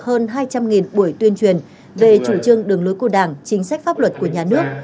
hơn hai trăm linh buổi tuyên truyền về chủ trương đường lối của đảng chính sách pháp luật của nhà nước